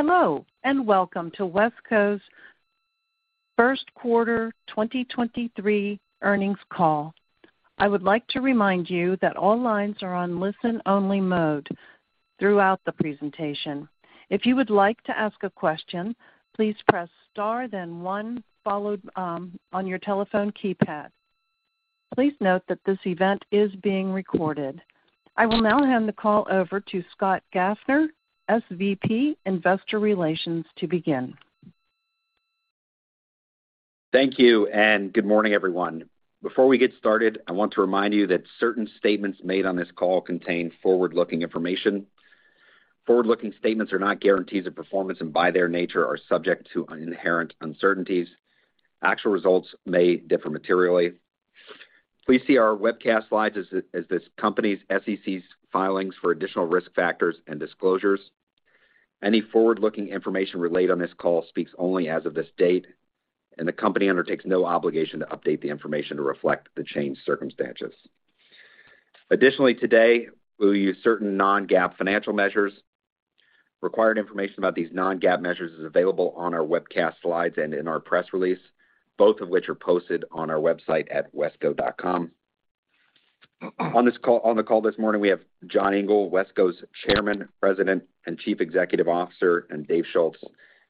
Hello, welcome to WESCO's first quarter 2023 earnings call. I would like to remind you that all lines are on listen-only mode throughout the presentation. If you would like to ask a question, please press star, then one followed on your telephone keypad. Please note that this event is being recorded. I will now hand the call over to Scott Gaffner, SVP, Investor Relations, to begin. Thank you. Good morning, everyone. Before we get started, I want to remind you that certain statements made on this call contain forward-looking information. Forward-looking statements are not guarantees of performance and, by their nature, are subject to inherent uncertainties. Actual results may differ materially. Please see our webcast slides as this company's SEC filings for additional risk factors and disclosures. Any forward-looking information relayed on this call speaks only as of this date, and the company undertakes no obligation to update the information to reflect the changed circumstances. Additionally, today, we'll use certain non-GAAP financial measures. Required information about these non-GAAP measures is available on our webcast slides and in our press release, both of which are posted on our website at wesco.com.On the call this morning, we have John Engel, Wesco's, Chairman, President, and Chief Executive Officer, and Dave Schulz,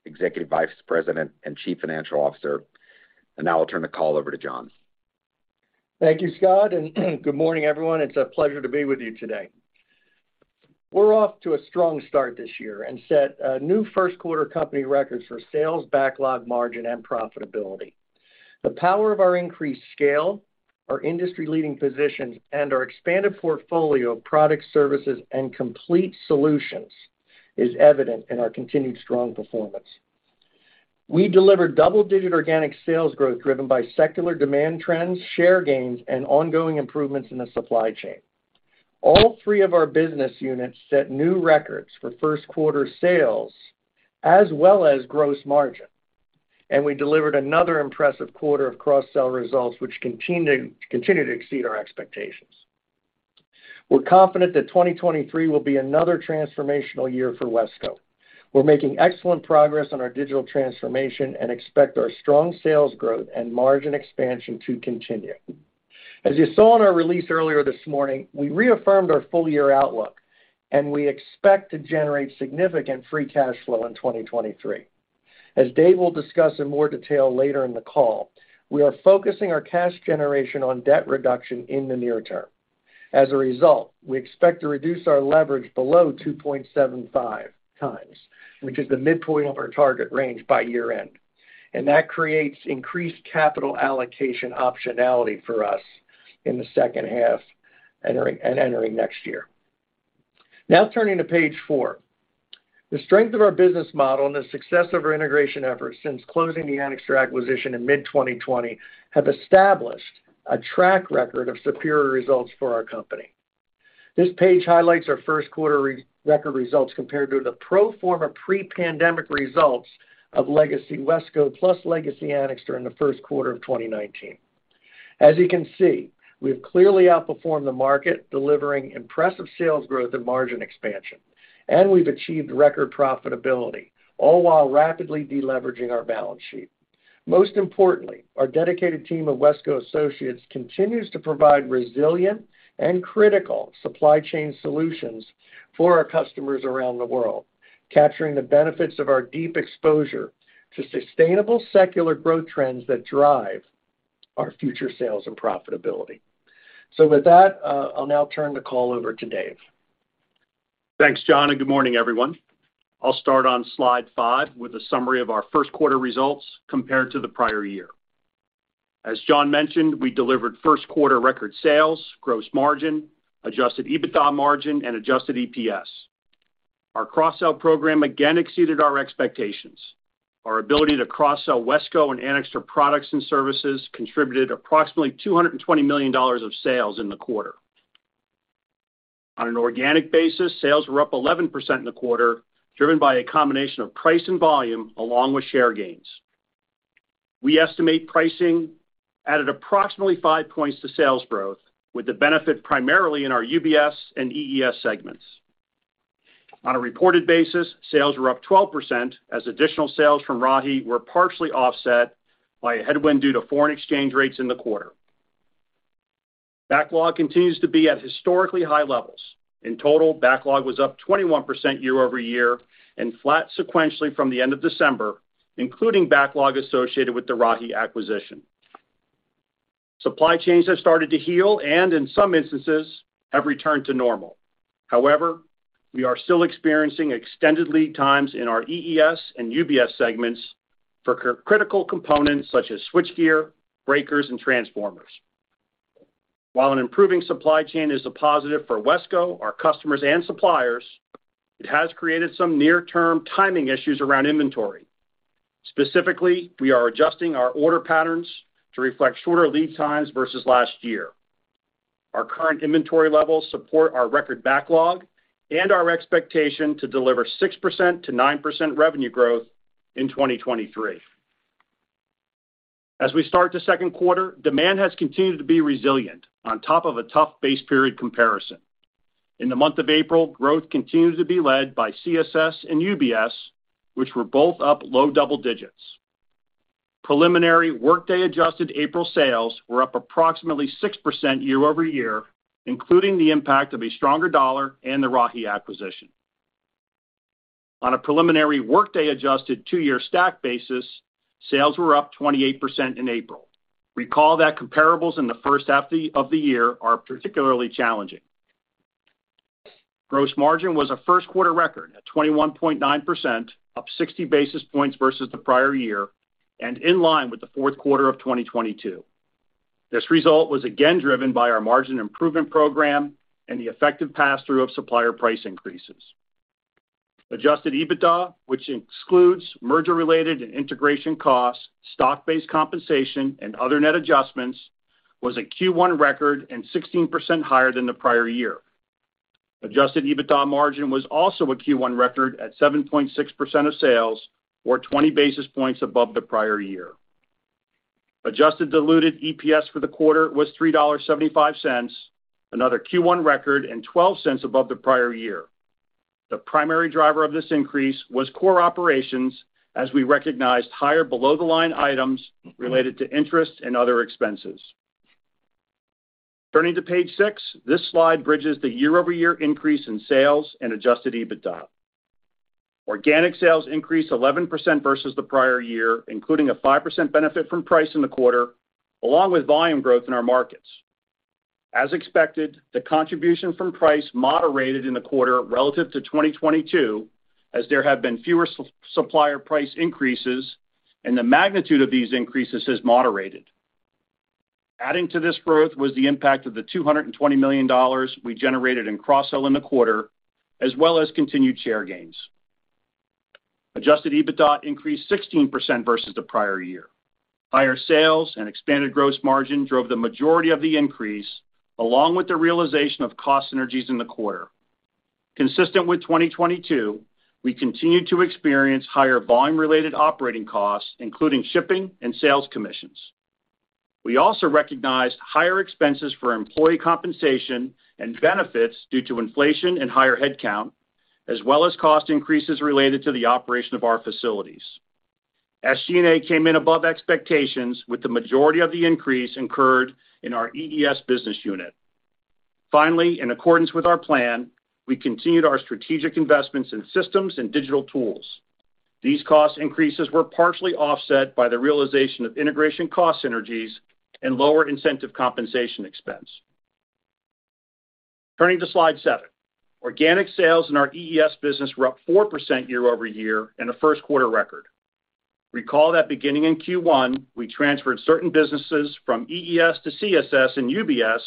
Executive Vice President and Chief Financial Officer. Now I'll turn the call over to John. Thank you, Scott. Good morning, everyone. It's a pleasure to be with you today. We're off to a strong start this year and set new first quarter company records for sales backlog margin and profitability. The power of our increased scale, our industry-leading positions, and our expanded portfolio of products, services, and complete solutions is evident in our continued strong performance. We delivered double-digit organic sales growth driven by secular demand trends, share gains, and ongoing improvements in the supply chain. All three of our business units set new records for first quarter sales as well as gross margin, and we delivered another impressive quarter of cross-sell results, which continue to exceed our expectations. We're confident that 2023 will be another transformational year for Wesco. We're making excellent progress on our digital transformation and expect our strong sales growth and margin expansion to continue. As you saw in our release earlier this morning, we reaffirmed our full-year outlook, we expect to generate significant free cash flow in 2023. As Dave will discuss in more detail later in the call, we are focusing our cash generation on debt reduction in the near term. As a result, we expect to reduce our leverage below 2.75x, which is the midpoint of our target range by year-end. That creates increased capital allocation optionality for us in the second half entering next year. Now turning to page four. The strength of our business model and the success of our integration efforts since closing the Anixter acquisition in mid-2020 have established a track record of superior results for our company. This page highlights our first quarter record results compared to the pro forma pre-pandemic results of legacy Wesco plus legacy Anixter in the first quarter of 2019. As you can see, we've clearly outperformed the market, delivering impressive sales growth and margin expansion. We've achieved record profitability, all while rapidly deleveraging our balance sheet. Most importantly, our dedicated team of Wesco associates continues to provide resilient and critical supply chain solutions for our customers around the world, capturing the benefits of our deep exposure to sustainable secular growth trends that drive our future sales and profitability. With that, I'll now turn the call over to Dave. Thanks, John. Good morning, everyone. I'll start on slide five with a summary of our first quarter results compared to the prior year. As John mentioned, we delivered first quarter record sales, gross margin, Adjusted EBITDA margin, and Adjusted EPS. Our cross-sell program again exceeded our expectations. Our ability to cross-sell Wesco and Anixter products and services contributed approximately $220 million of sales in the quarter. On an organic basis, sales were up 11% in the quarter, driven by a combination of price and volume along with share gains. We estimate pricing added approximately five points to sales growth, with the benefit primarily in our UBS and EES segments. On a reported basis, sales were up 12% as additional sales from Rahi were partially offset by a headwind due to foreign exchange rates in the quarter. Backlog continues to be at historically high levels. In total, backlog was up 21% year-over-year and flat sequentially from the end of December, including backlog associated with the Rahi acquisition. Supply chains have started to heal and, in some instances, have returned to normal. We are still experiencing extended lead times in our EES and UBS segments for critical components such as switchgear, breakers, and transformers. While an improving supply chain is a positive for Wesco, our customers, and suppliers, it has created some near-term timing issues around inventory. Specifically, we are adjusting our order patterns to reflect shorter lead times versus last year. Our current inventory levels support our record backlog and our expectation to deliver 6%-9% revenue growth in 2023. As we start the second quarter, demand has continued to be resilient on top of a tough base period comparison. In the month of April, growth continued to be led by CSS and UBS, which were both up low double digits. Preliminary workday-adjusted April sales were up approximately 6% year-over-year, including the impact of a stronger dollar and the Rahi acquisition. On a preliminary workday-adjusted two-year stack basis, sales were up 28% in April. Recall that comparables in the first half of the year are particularly challenging. Gross margin was a first quarter record at 21.9%, up 60 basis points versus the prior year and in line with the fourth quarter of 2022. This result was again driven by our margin improvement program and the effective passthrough of supplier price increases. Adjusted EBITDA, which excludes merger-related and integration costs, stock-based compensation, and other net adjustments, was a Q1 record and 16% higher than the prior year. Adjusted EBITDA margin was also a Q1 record at 7.6% of sales or 20 basis points above the prior year. Adjusted diluted EPS for the quarter was $3.75, another Q1 record and $0.12 above the prior year. The primary driver of this increase was core operations as we recognized higher below-the-line items related to interest and other expenses. Turning to page six, this slide bridges the year-over-year increase in sales and Adjusted EBITDA. Organic sales increased 11% versus the prior year, including a 5% benefit from price in the quarter, along with volume growth in our markets. As expected, the contribution from price moderated in the quarter relative to 2022, as there have been fewer supplier price increases, and the magnitude of these increases has moderated. Adding to this growth was the impact of the $220 million we generated in cross-sell in the quarter, as well as continued share gains. Adjusted EBITDA increased 16% versus the prior year. Higher sales and expanded gross margin drove the majority of the increase, along with the realization of cost synergies in the quarter. Consistent with 2022, we continued to experience higher volume-related operating costs, including shipping and sales commissions. We also recognized higher expenses for employee compensation and benefits due to inflation and higher headcount, as well as cost increases related to the operation of our facilities. SG&A came in above expectations with the majority of the increase incurred in our EES business unit. Finally, in accordance with our plan, we continued our strategic investments in systems and digital tools. These cost increases were partially offset by the realization of integration cost synergies and lower incentive compensation expense. Turning to slide seven. Organic sales in our EES business were up 4% year-over-year and a first quarter record. Recall that beginning in Q1, we transferred certain businesses from EES to CSS and UBS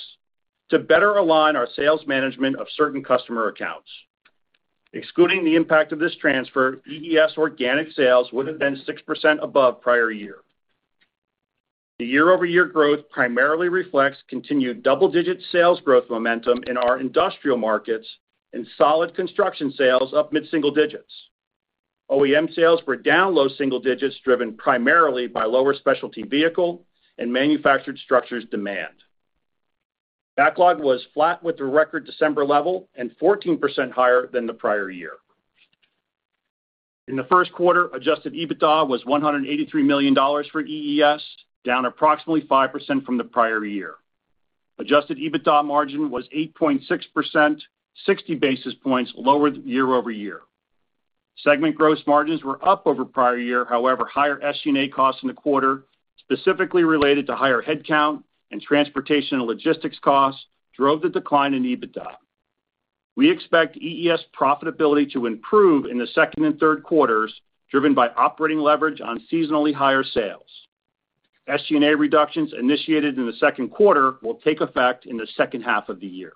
to better align our sales management of certain customer accounts. Excluding the impact of this transfer, EES organic sales would have been 6% above prior year. The year-over-year growth primarily reflects continued double-digit sales growth momentum in our industrial markets and solid construction sales up mid-single digits. OEM sales were down low single digits, driven primarily by lower specialty vehicle and manufactured structures demand. Backlog was flat with the record December level and 14% higher than the prior year. In the first quarter, Adjusted EBITDA was $183 million for EES, down approximately 5% from the prior year. Adjusted EBITDA margin was 8.6%, 60 basis points lower year-over-year. Segment gross margins were up over prior year. Higher SG&A costs in the quarter, specifically related to higher headcount and transportation and logistics costs, drove the decline in EBITDA. We expect EES profitability to improve in the second and third quarters, driven by operating leverage on seasonally higher sales. SG&A reductions initiated in the second quarter will take effect in the second half of the year.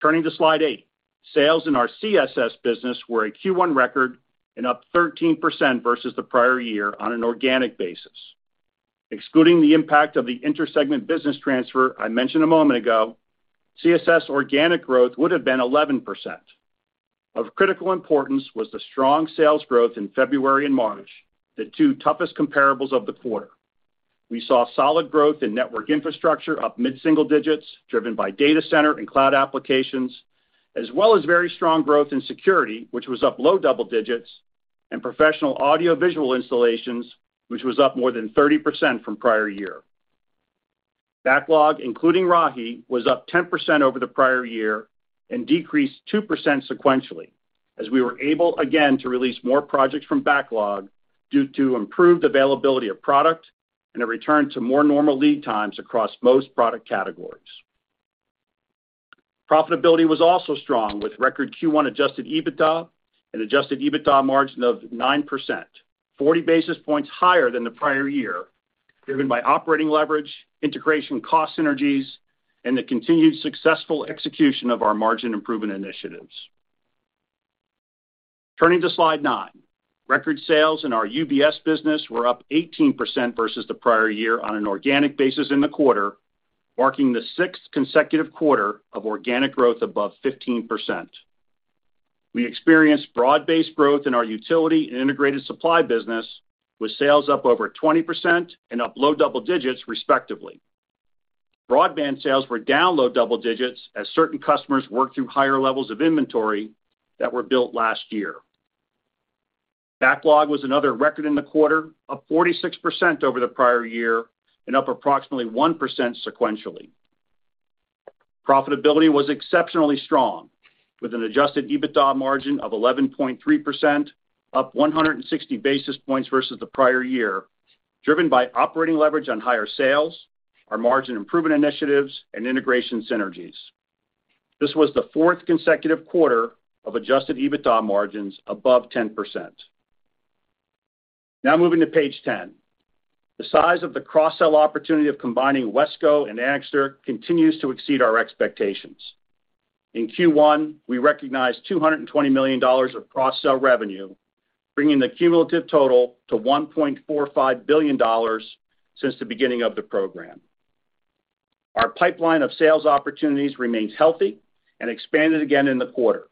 Turning to slide 8. Sales in our CSS business were a Q1 record and up 13% versus the prior year on an organic basis. Excluding the impact of the inter-segment business transfer I mentioned a moment ago, CSS organic growth would have been 11%. Of critical importance was the strong sales growth in February and March, the two toughest comparables of the quarter. We saw solid growth in network infrastructure up mid-single digits, driven by data center and cloud applications, as well as very strong growth in security, which was up low double digits, and professional audiovisual installations, which was up more than 30% from prior year. Backlog, including Rahi, was up 10% over the prior year and decreased 2% sequentially as we were able again to release more projects from backlog due to improved availability of product and a return to more normal lead times across most product categories. Profitability was also strong with record Q1 Adjusted EBITDA and Adjusted EBITDA margin of 9%, 40 basis points higher than the prior year, driven by operating leverage, integration cost synergies, and the continued successful execution of our margin improvement initiatives. Turning to slide 9. Record sales in our UBS business were up 18% versus the prior year on an organic basis in the quarter, marking the sixth consecutive quarter of organic growth above 15%. We experienced broad-based growth in our utility and integrated supply business with sales up over 20% and up low double digits respectively. Broadband sales were down low double digits as certain customers worked through higher levels of inventory that were built last year. Backlog was another record in the quarter of 46% over the prior year and up approximately 1% sequentially. Profitability was exceptionally strong with an Adjusted EBITDA margin of 11.3%, up 160 basis points versus the prior year, driven by operating leverage on higher sales, our margin improvement initiatives, and integration synergies. This was the fourth consecutive quarter of Adjusted EBITDA margins above 10%. Moving to page 10. The size of the cross-sell opportunity of combining WESCO and Anixter continues to exceed our expectations. In Q1, we recognized $220 million of cross-sell revenue, bringing the cumulative total to $1.45 billion since the beginning of the program. Our pipeline of sales opportunities remains healthy and expanded again in the quarter.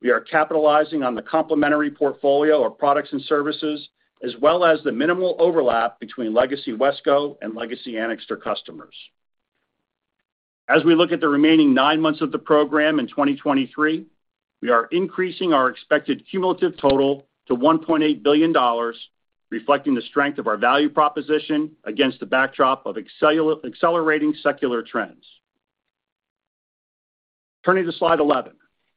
We are capitalizing on the complementary portfolio of products and services, as well as the minimal overlap between legacy WESCO and legacy Anixter customers. As we look at the remaining nine months of the program in 2023, we are increasing our expected cumulative total to $1.8 billion, reflecting the strength of our value proposition against the backdrop of accelerating secular trends. Turning to slide 11.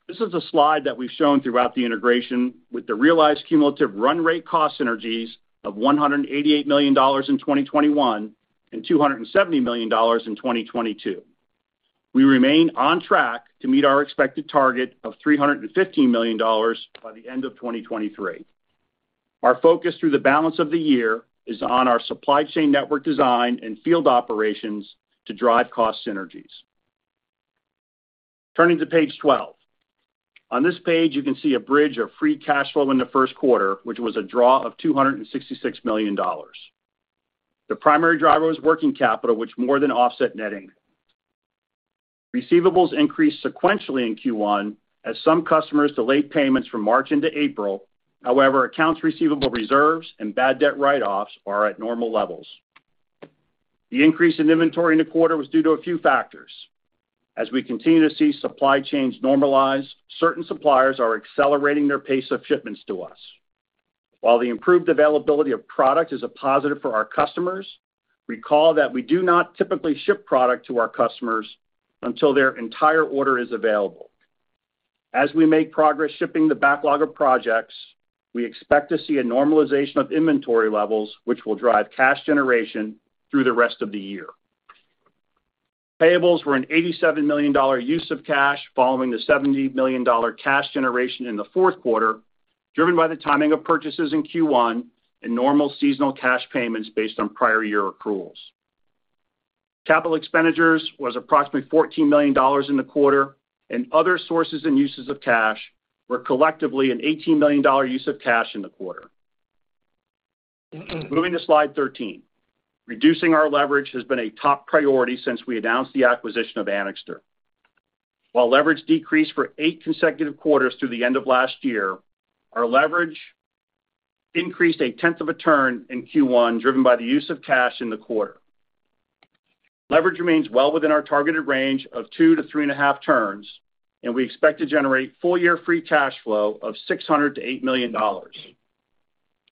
This is a slide that we've shown throughout the integration with the realized cumulative run rate cost synergies of $188 million in 2021 and $270 million in 2022. We remain on track to meet our expected target of $315 million by the end of 2023. Our focus through the balance of the year is on our supply chain network design and field operations to drive cost synergies. Turning to page 12. On this page, you can see a bridge of free cash flow in the first quarter, which was a draw of $266 million. The primary driver was working capital, which more than offset netting. Receivables increased sequentially in Q1 as some customers delayed payments from March into April. However, accounts receivable reserves and bad debt write-offs are at normal levels. The increase in inventory in the quarter was due to a few factors. As we continue to see supply chains normalize, certain suppliers are accelerating their pace of shipments to us. While the improved availability of product is a positive for our customers, recall that we do not typically ship product to our customers until their entire order is available. As we make progress shipping the backlog of projects, we expect to see a normalization of inventory levels, which will drive cash generation through the rest of the year. Payables were an $87 million use of cash following the $70 million cash generation in Q4, driven by the timing of purchases in Q1 and normal seasonal cash payments based on prior year accruals. CapEx was approximately $14 million in the quarter, and other sources and uses of cash were collectively an $18 million use of cash in the quarter. Moving to slide 13. Reducing our leverage has been a top priority since we announced the acquisition of Anixter. While leverage decreased for 8 consecutive quarters through the end of last year, our leverage increased a tenth of a turn in Q1, driven by the use of cash in the quarter. Leverage remains well within our targeted range of two to three and a half turns. We expect to generate full year free cash flow of $600 million-$800 million.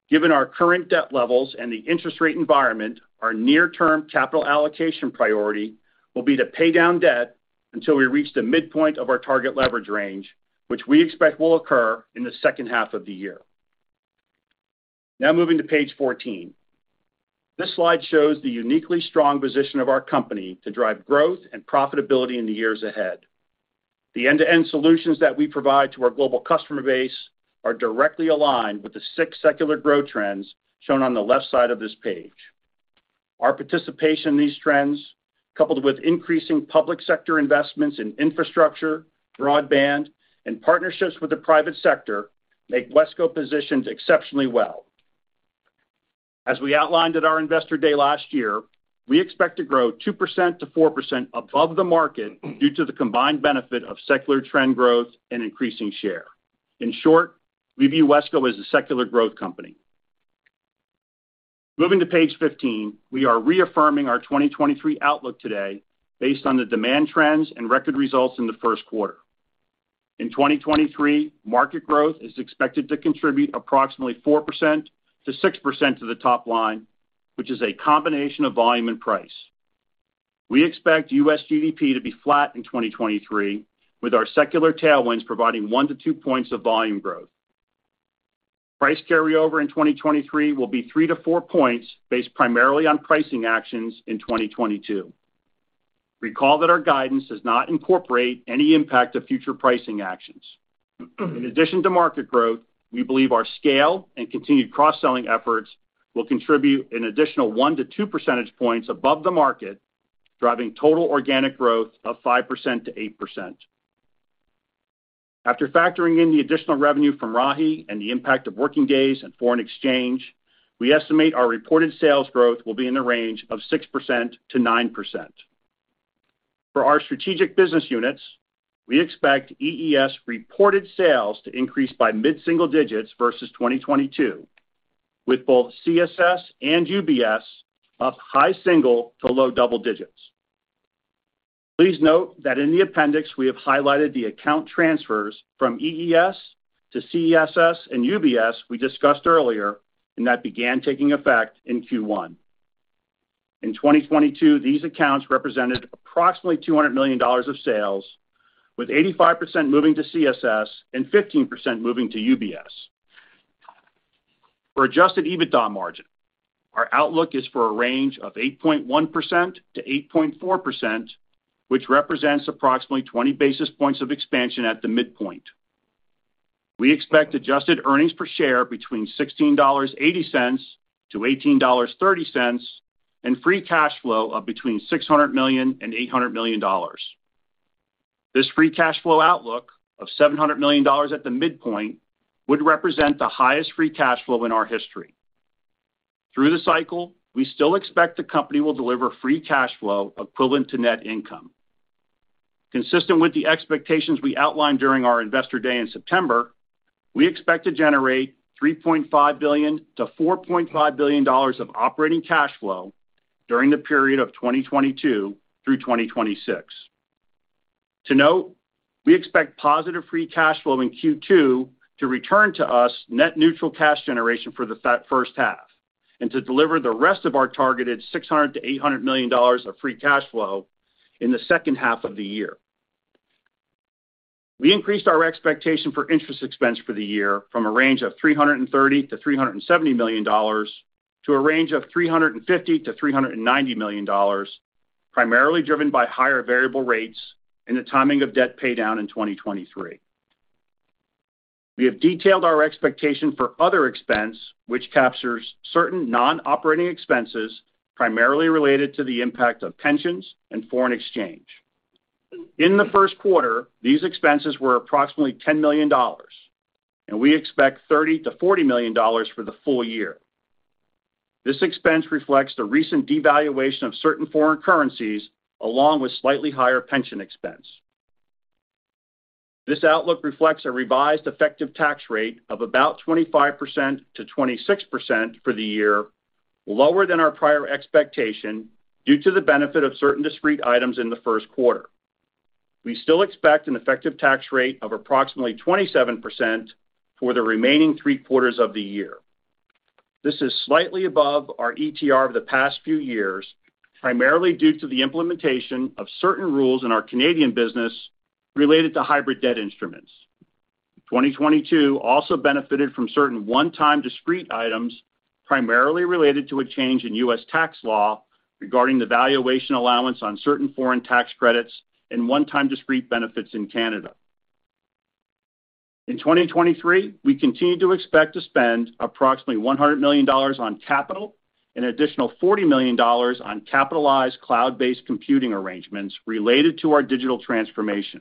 Given our current debt levels and the interest rate environment, our near-term capital allocation priority will be to pay down debt until we reach the midpoint of our target leverage range, which we expect will occur in the second half of the year. Moving to page 14. This slide shows the uniquely strong position of our company to drive growth and profitability in the years ahead. The end-to-end solutions that we provide to our global customer base are directly aligned with the 6 secular growth trends shown on the left side of this page. Our participation in these trends, coupled with increasing public sector investments in infrastructure, broadband, and partnerships with the private sector, make WESCO positioned exceptionally well. As we outlined at our Investor Day last year, we expect to grow 2%-4% above the market due to the combined benefit of secular trend growth and increasing share. In short, we view WESCO as a secular growth company. Moving to page 15. We are reaffirming our 2023 outlook today based on the demand trends and record results in the first quarter. In 2023, market growth is expected to contribute approximately 4%-6% to the top line, which is a combination of volume and price. We expect US GDP to be flat in 2023, with our secular tailwinds providing 1-2 points of volume growth. Price carryover in 2023 will be 3-4 points based primarily on pricing actions in 2022. Recall that our guidance does not incorporate any impact of future pricing actions. In addition to market growth, we believe our scale and continued cross-selling efforts will contribute an additional 1percentage points -2 percentage points above the market, driving total organic growth of 5%-8%. After factoring in the additional revenue from Rahi and the impact of working days and foreign exchange, we estimate our reported sales growth will be in the range of 6%-9%. For our strategic business units, we expect EES reported sales to increase by mid-single digits versus 2022, with both CSS and UBS up high single to low double digits. Please note that in the appendix, we have highlighted the account transfers from EES to CSS and UBS we discussed earlier and that began taking effect in Q1. In 2022, these accounts represented approximately $200 million of sales, with 85% moving to CSS and 15% moving to UBS. For Adjusted EBITDA margin, our outlook is for a range of 8.1%-8.4%, which represents approximately 20 basis points of expansion at the midpoint. We expect Adjusted earnings per share between $16.80-$18.30 and free cash flow of between $600 million and $800 million. This free cash flow outlook of $700 million at the midpoint would represent the highest free cash flow in our history. Through the cycle, we still expect the company will deliver free cash flow equivalent to net income. Consistent with the expectations we outlined during our Investor Day in September, we expect to generate $3.5 billion-$4.5 billion of operating cash flow during the period of 2022 through 2026. To note, we expect positive free cash flow in Q2 to return to us net neutral cash generation for the first half and to deliver the rest of our targeted $600 million-$800 million of free cash flow in the second half of the year. We increased our expectation for interest expense for the year from a range of $330 million-$370 million to a range of $350 million-$390 million, primarily driven by higher variable rates and the timing of debt paydown in 2023. We have detailed our expectation for other expense, which captures certain non-operating expenses primarily related to the impact of pensions and foreign exchange. In the first quarter, these expenses were approximately $10 million, and we expect $30 million-$40 million for the full year. This expense reflects the recent devaluation of certain foreign currencies along with slightly higher pension expense. This outlook reflects a revised effective tax rate of about 25%-26% for the year, lower than our prior expectation due to the benefit of certain discrete items in the first quarter. We still expect an effective tax rate of approximately 27% for the remaining three quarters of the year. This is slightly above our ETR of the past few years, primarily due to the implementation of certain rules in our Canadian business related to hybrid debt instruments. 2022 also benefited from certain one-time discrete items, primarily related to a change in U.S. tax law regarding the valuation allowance on certain foreign tax credits and one-time discrete benefits in Canada. In 2023, we continue to expect to spend approximately $100 million on capital, an additional $40 million on capitalized cloud-based computing arrangements related to our digital transformation.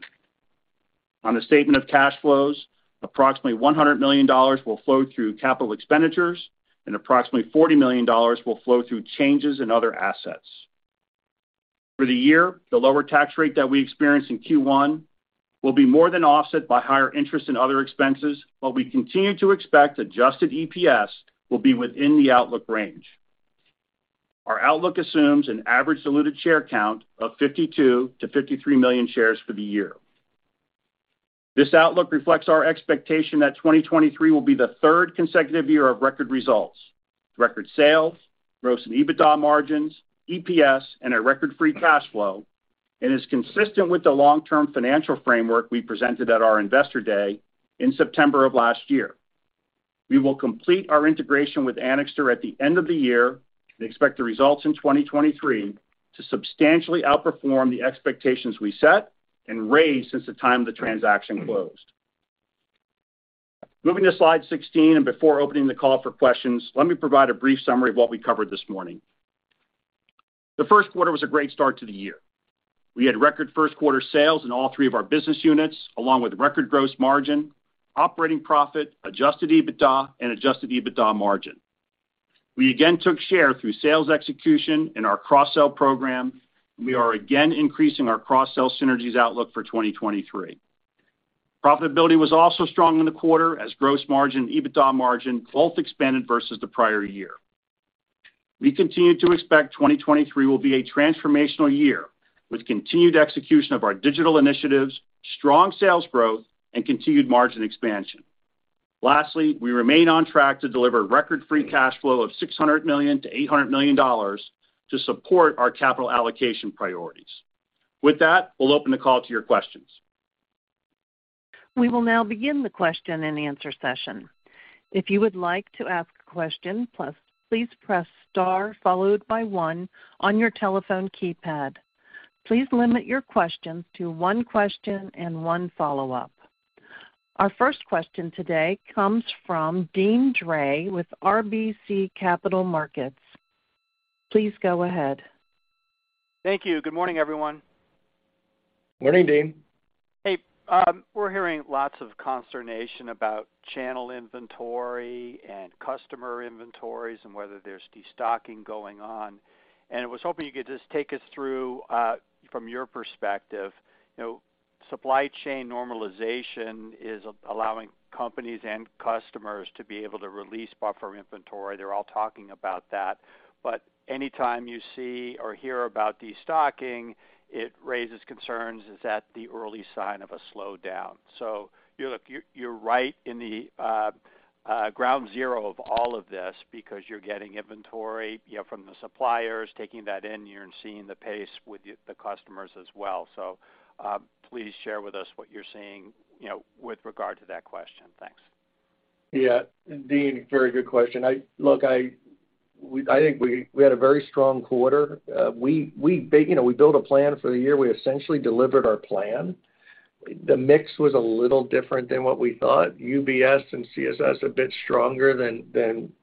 On the statement of cash flows, approximately $100 million will flow through capital expenditures, and approximately $40 million will flow through changes in other assets. For the year, the lower tax rate that we experienced in Q1 will be more than offset by higher interest and other expenses, while we continue to expect Adjusted EPS will be within the outlook range. Our outlook assumes an average diluted share count of 52-53 million shares for the year. This outlook reflects our expectation that 2023 will be the third consecutive year of record results, record sales, gross and EBITDA margins, EPS, and a record free cash flow, and is consistent with the long-term financial framework we presented at our Investor Day in September of last year. We will complete our integration with Anixter at the end of the year and expect the results in 2023 to substantially outperform the expectations we set and raised since the time the transaction closed. Moving to slide 16 and before opening the call for questions, let me provide a brief summary of what we covered this morning. The first quarter was a great start to the year. We had record first quarter sales in all 3 of our business units, along with record gross margin, operating profit, Adjusted EBITDA, and Adjusted EBITDA margin. We again took share through sales execution in our cross-sell program. We are again increasing our cross-sell synergies outlook for 2023. Profitability was also strong in the quarter as gross margin and EBITDA margin both expanded versus the prior year. We continue to expect 2023 will be a transformational year with continued execution of our digital initiatives, strong sales growth, and continued margin expansion. We remain on track to deliver record free cash flow of $600 million-$800 million to support our capital allocation priorities. We'll open the call to your questions. We will now begin the question-and-answer session. If you would like to ask a question, please press star followed by one on your telephone keypad. Please limit your questions to one question and one follow-up. Our first question today comes from Deane Dray with RBC Capital Markets. Please go ahead. Thank you. Good morning, everyone. Morning, Deane. We're hearing lots of consternation about channel inventory and customer inventories and whether there's destocking going on. I was hoping you could just take us through from your perspective, you know, supply chain normalization is allowing companies and customers to be able to release buffer inventory. They're all talking about that. Anytime you see or hear about destocking, it raises concerns. Is that the early sign of a slowdown? You're right in the ground zero of all of this because you're getting inventory, you know, from the suppliers taking that in, you're seeing the pace with the customers as well. Please share with us what you're seeing, you know, with regard to that question. Thanks. Deane, very good question. I think we had a very strong quarter. We, you know, we built a plan for the year. We essentially delivered our plan. The mix was a little different than what we thought. UBS and CSS a bit stronger than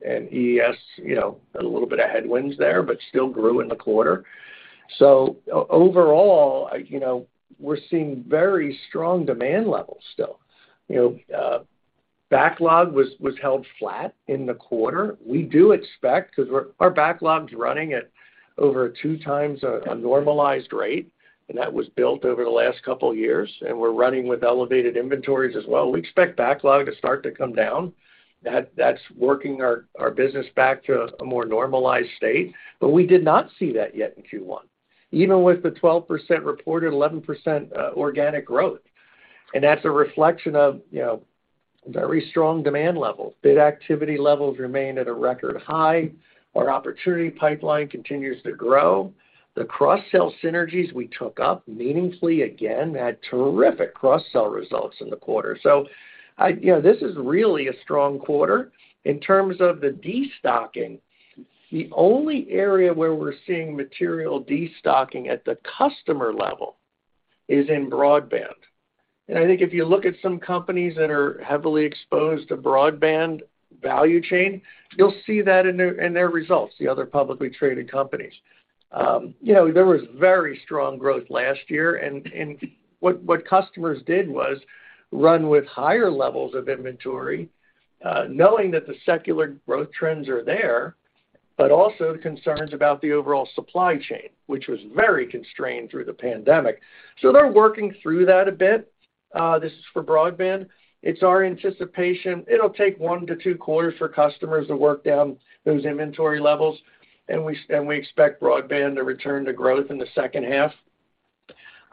and EES, you know, had a little bit of headwinds there, but still grew in the quarter. Overall, you know, we're seeing very strong demand levels still. You know, backlog was held flat in the quarter. We do expect, 'cause our backlog's running at over 2x a normalized rate, and that was built over the last couple years, and we're running with elevated inventories as well. We expect backlog to start to come down. That's working our business back to a more normalized state. We did not see that yet in Q1, even with the 12% reported, 11% organic growth. That's a reflection of, you know, very strong demand levels. Bid activity levels remain at a record high. Our opportunity pipeline continues to grow. The cross-sell synergies we took up meaningfully again had terrific cross-sell results in the quarter. You know, this is really a strong quarter. In terms of the destocking, the only area where we're seeing material destocking at the customer level is in broadband. I think if you look at some companies that are heavily exposed to broadband value chain, you'll see that in their, in their results, the other publicly traded companies. You know, there was very strong growth last year, and what customers did was run with higher levels of inventory, knowing that the secular growth trends are there, but also concerns about the overall supply chain, which was very constrained through the pandemic. They're working through that a bit, this is for broadband. It's our anticipation it'll take 1quarters-2quarters for customers to work down those inventory levels, and we expect broadband to return to growth in the second half.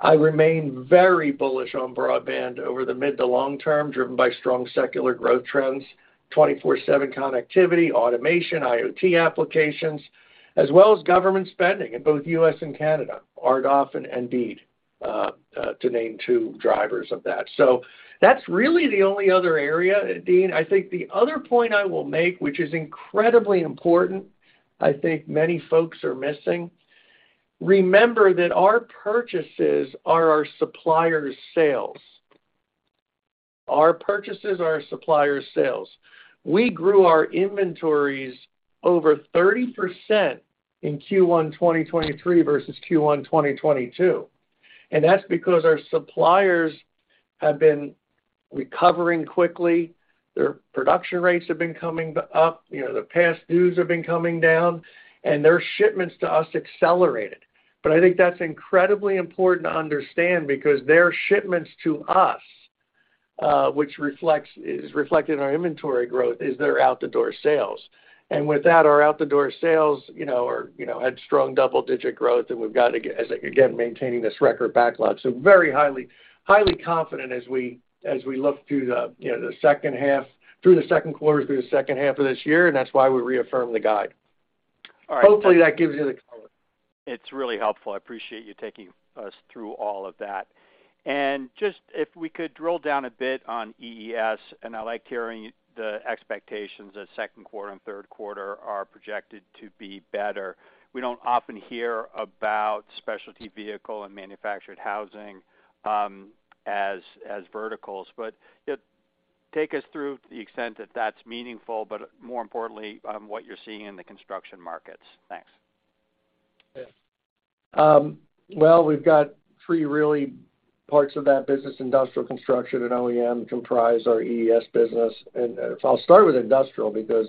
I remain very bullish on broadband over the mid to long term, driven by strong secular growth trends, 24/7 connectivity, automation, IoT applications, as well as government spending in both U.S. and Canada, ARPA and IIJA, to name two drivers of that. That's really the only other area, Deane. I think the other point I will make, which is incredibly important I think many folks are missing, remember that our purchases are our suppliers' sales. Our purchases are our suppliers' sales. We grew our inventories over 30% in Q1 2023 versus Q1 2022, and that's because our suppliers have been recovering quickly. Their production rates have been coming up, you know, their past dues have been coming down, and their shipments to us accelerated. I think that's incredibly important to understand because their shipments to us, which is reflected in our inventory growth, is their out-the-door sales. With that, our out-the-door sales, you know, are, you know, had strong double-digit growth, and we've got, again, maintaining this record backlog. Very highly confident as we look through the, you know, through the second quarter through the second half of this year, and that's why we reaffirm the guide. All right. Hopefully that gives you the color. It's really helpful. I appreciate you taking us through all of that. Just if we could drill down a bit on EES, I like hearing the expectations that second quarter and third quarter are projected to be better. We don't often hear about specialty vehicle and manufactured housing as verticals. Take us through the extent that that's meaningful, but more importantly, what you're seeing in the construction markets. Thanks. Yes. Well, we've got three really parts of that business, industrial construction and OEM comprise our EES business. I'll start with industrial because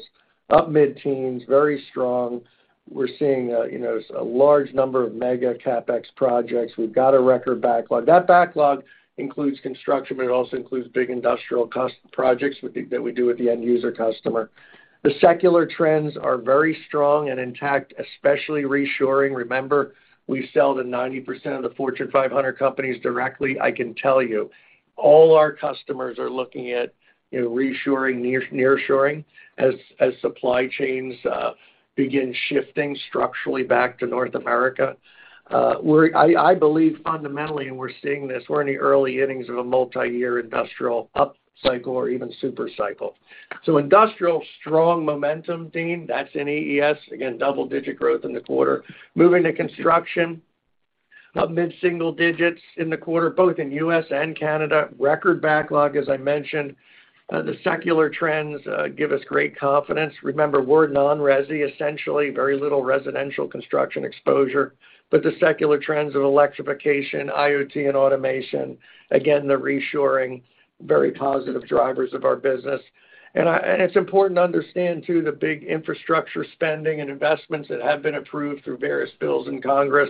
up mid-teens, very strong. We're seeing, you know, a large number of mega CapEx projects. We've got a record backlog. That backlog includes construction, but it also includes big industrial projects that we do with the end user customer. The secular trends are very strong and intact, especially reshoring. Remember, we sell to 90% of the Fortune 500 companies directly. I can tell you all our customers are looking at, you know, reshoring, nearshoring as supply chains begin shifting structurally back to North America. I believe fundamentally, and we're seeing this, we're in the early innings of a multi-year industrial upcycle or even super cycle. Industrial, strong momentum, Dean. That's in EES. Again, double-digit growth in the quarter. Moving to construction. Up mid-single digits in the quarter, both in U.S. and Canada. Record backlog, as I mentioned. The secular trends give us great confidence. Remember, we're non-resi, essentially, very little residential construction exposure. The secular trends of electrification, IoT, and automation, again, the reshoring, very positive drivers of our business. It's important to understand, too, the big infrastructure spending and investments that have been approved through various bills in Congress,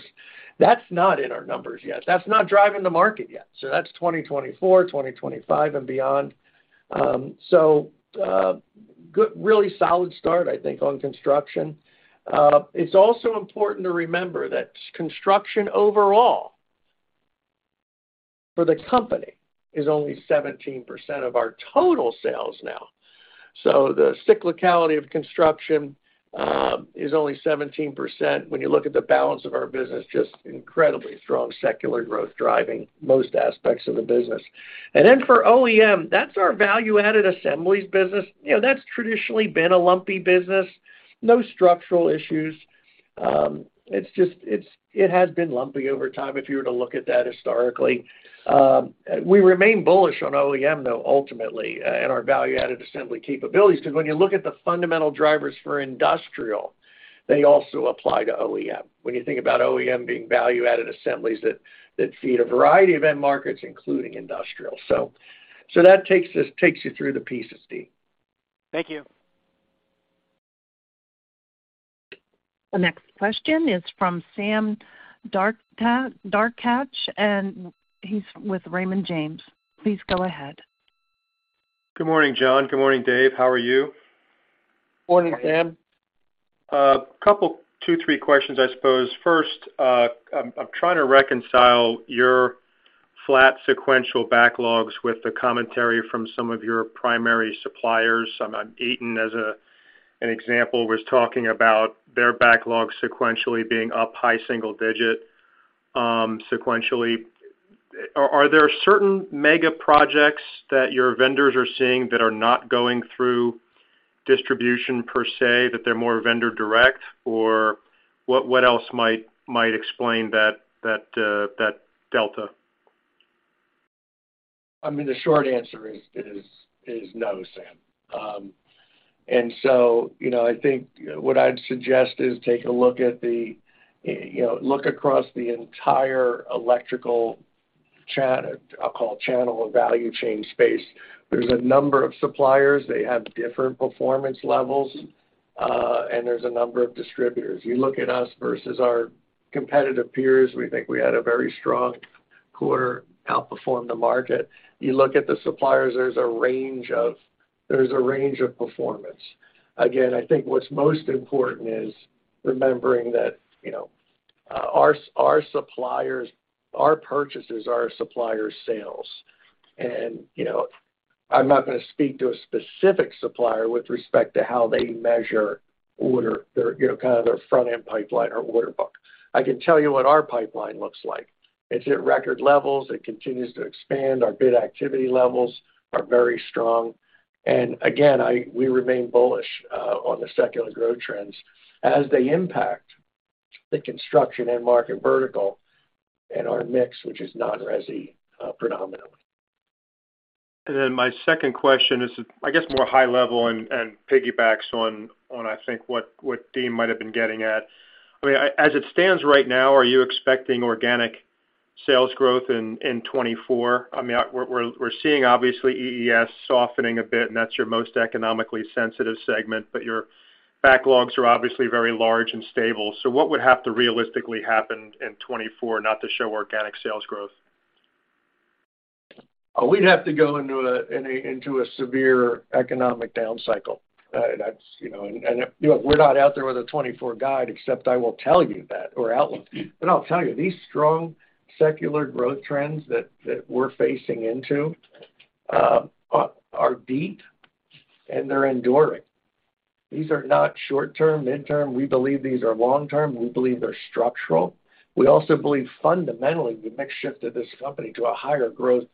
that's not in our numbers yet. That's not driving the market yet. That's 2024, 2025, and beyond. Really solid start, I think, on construction. It's also important to remember that construction overall for the company is only 17% of our total sales now. The cyclicality of construction is only 17%. When you look at the balance of our business, just incredibly strong secular growth driving most aspects of the business. Then for OEM, that's our value-added assemblies business. You know, that's traditionally been a lumpy business. No structural issues. It has been lumpy over time if you were to look at that historically. We remain bullish on OEM, though, ultimately, and our value-added assembly capabilities, 'cause when you look at the fundamental drivers for industrial, they also apply to OEM. When you think about OEM being value-added assemblies that feed a variety of end markets, including industrial. That takes you through the pieces, Steve. Thank you. The next question is from Sam Darkatsh, and he's with Raymond James. Please go ahead. Good morning, John. Good morning, Dave. How are you? Morning, Sam. Couple two, three questions, I suppose. First, I'm trying to reconcile your flat sequential backlogs with the commentary from some of your primary suppliers. Eaton, as an example, was talking about their backlogs sequentially being up high single digit sequentially. Are there certain mega projects that your vendors are seeing that are not going through distribution per se, that they're more vendor direct? What else might explain that delta? I mean, the short answer is no, Sam. you know, I think what I'd suggest is take a look at the, you know, look across the entire electrical channel of value chain space. There's a number of suppliers, they have different performance levels, and there's a number of distributors. You look at us versus our competitive peers, we think we had a very strong quarter, outperformed the market. You look at the suppliers, there's a range of performance. Again, I think what's most important is remembering that, you know, our suppliers-- our purchases are supplier sales. you know, I'm not gonna speak to a specific supplier with respect to how they measure order, their, you know, kind of their front-end pipeline or order book. I can tell you what our pipeline looks like. It's at record levels. It continues to expand. Our bid activity levels are very strong. Again, we remain bullish, on the secular growth trends as they impact the construction end market vertical and our mix, which is non-resi, predominantly. My second question is, I guess, more high level and piggybacks on, I think, what Deane might have been getting at. I mean, as it stands right now, are you expecting organic sales growth in 2024? I mean, we're seeing obviously EES softening a bit, and that's your most economically sensitive segment, but your backlogs are obviously very large and stable. What would have to realistically happen in 2024 not to show organic sales growth? We'd have to go into a severe economic down cycle. That's, you know. You know, we're not out there with a 2024 guide, except I will tell you that or outlook. I'll tell you, these strong secular growth trends that we're facing into, are deep, and they're enduring. These are not short term, midterm. We believe these are long term. We believe they're structural. We also believe fundamentally, we've mixed shifted this company to a higher growth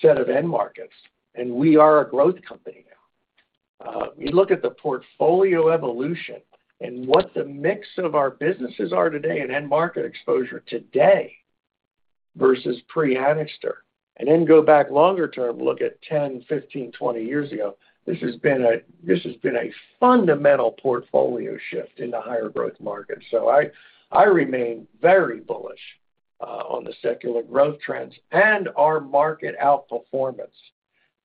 set of end markets, and we are a growth company now. You look at the portfolio evolution and what the mix of our businesses are today and end market exposure today versus pre-Anixter, and then go back longer term, look at 10, 15, 20 years ago, this has been a fundamental portfolio shift in the higher growth market. I remain very bullish on the secular growth trends and our market outperformance.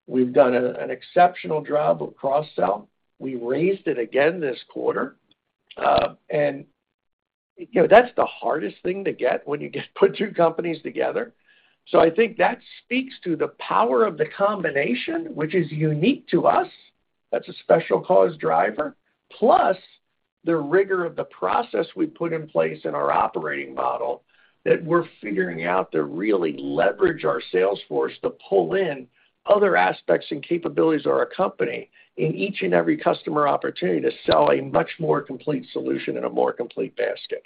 We've done an exceptional job of cross-sell. We raised it again this quarter. You know, that's the hardest thing to get when you get put two companies together. I think that speaks to the power of the combination, which is unique to us. That's a special cause driver. Plus the rigor of the process we put in place in our operating model that we're figuring out to really leverage our sales force to pull in other aspects and capabilities of our company in each and every customer opportunity to sell a much more complete solution in a more complete basket.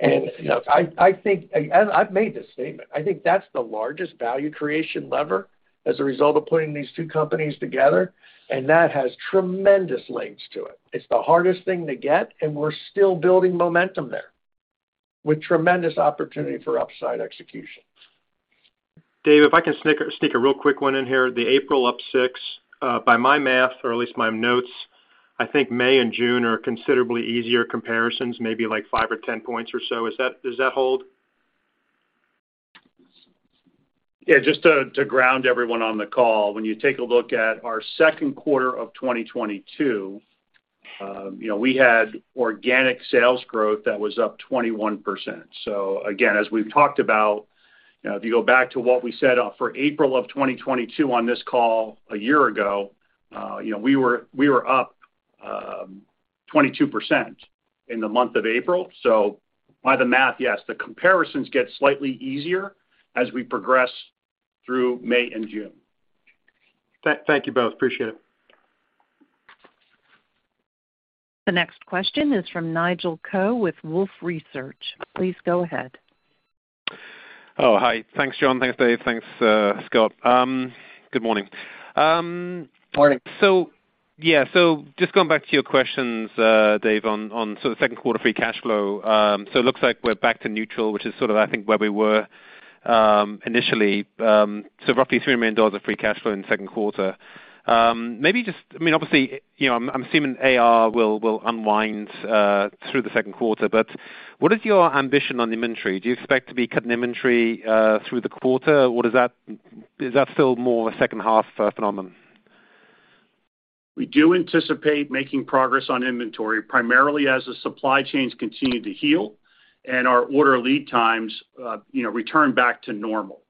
You know, I think, and I've made this statement, I think that's the largest value creation lever as a result of putting these two companies together, and that has tremendous links to it. It's the hardest thing to get, and we're still building momentum there with tremendous opportunity for upside execution. Dave, if I can sneak a real quick one in here. The April up six by my math, or at least my notes, I think May and June are considerably easier comparisons, maybe like five or 10 points or so. Does that hold? Just to ground everyone on the call, when you take a look at our second quarter of 2022, you know, we had organic sales growth that was up 21%. Again, as we've talked about, you know, if you go back to what we said for April of 2022 on this call a year ago, you know, we were up 22% in the month of April. By the math, yes, the comparisons get slightly easier as we progress through May and June. Thank you both. Appreciate it. The next question is from Nigel Coe with Wolfe Research. Please go ahead. Oh, hi. Thanks, John. Thanks, Dave. Thanks, Scott. Good morning. Morning. Yeah. Just going back to your questions, Dave, on so the second quarter free cash flow. It looks like we're back to neutral, which is sort of I think where we were initially. Roughly $3 million of free cash flow in the second quarter. Maybe just, I mean, obviously, you know, I'm assuming AR will unwind through the second quarter, but what is your ambition on inventory? Do you expect to be cutting inventory through the quarter? Or is that still more a second half phenomenon? We do anticipate making progress on inventory primarily as the supply chains continue to heal and our order lead times, you know, return back to normal.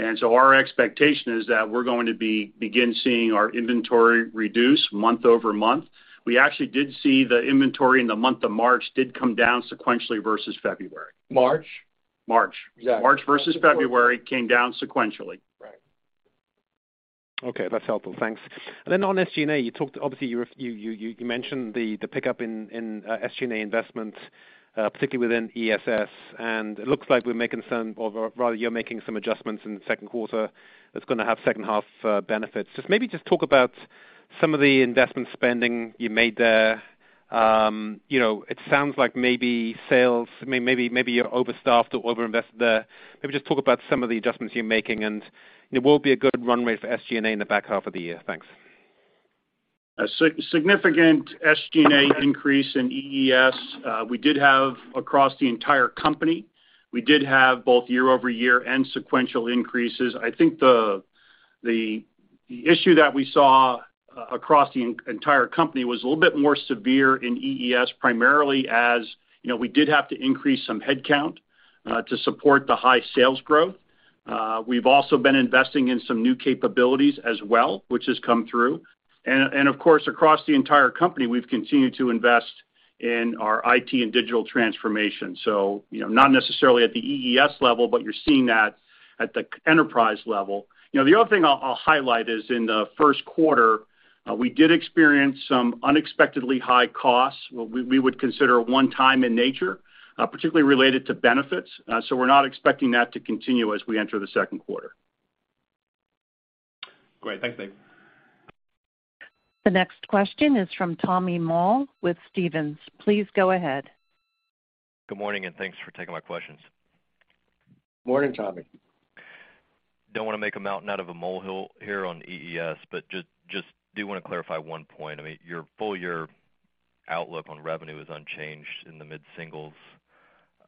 Our expectation is that we're going to begin seeing our inventory reduce month-over-month. We actually did see the inventory in the month of March did come down sequentially versus February. March? March. Exactly. March versus February came down sequentially. Right. Okay, that's helpful. Thanks. Then on SG&A, you mentioned the pickup in SG&A investment, particularly within EES, and it looks like we're making some or rather you're making some adjustments in the second quarter that's gonna have second half benefits. Just maybe just talk about some of the investment spending you made there. You know, it sounds like maybe sales, maybe you're overstaffed or overinvested there. Maybe just talk about some of the adjustments you're making, and it will be a good runway for SG&A in the back half of the year. Thanks. Significant SG&A increase in EES, we did have across the entire company. We did have both year-over-year and sequential increases. I think the issue that we saw across the entire company was a little bit more severe in EES, primarily as, you know, we did have to increase some headcount to support the high sales growth. We've also been investing in some new capabilities as well, which has come through. And of course, across the entire company, we've continued to invest in our IT and digital transformation. You know, not necessarily at the EES level, but you're seeing that at the enterprise level. You know, the other thing I'll highlight is in the first quarter, we did experience some unexpectedly high costs we would consider one time in nature, particularly related to benefits. We're not expecting that to continue as we enter the second quarter. Great. Thanks, Dave. The next question is from Tommy Moll with Stephens. Please go ahead. Good morning. Thanks for taking my questions. Morning, Tommy. Don't wanna make a mountain out of a molehill here on EES, but just do wanna clarify 1 point. I mean, your full year outlook on revenue is unchanged in the mid-singles,